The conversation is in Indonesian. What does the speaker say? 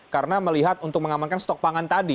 karena melihat untuk mengamankan stok pangan tadi